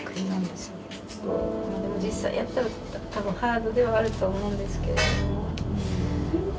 でも実際やったら多分ハードではあると思うんですけれども。